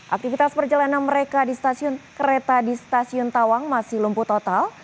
aktivitas perjalanan mereka di stasiun kereta di stasiun tawang masih lumpuh total